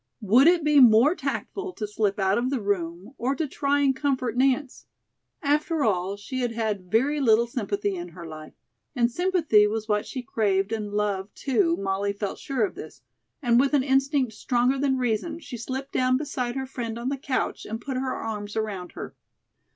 Would it be more tactful to slip out of the room or to try and comfort Nance? After all, she had had very little sympathy in her life, and sympathy was what she craved and love, too, Molly felt sure of this, and with an instinct stronger than reason, she slipped down beside her friend on the couch and put her arms around her.